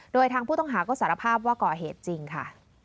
โดยทางผู้ต้องหาก็สารภาพว่าก่อเหตุจริงค่ะ